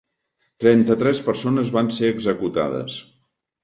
Trenta-tres persones van ser executades.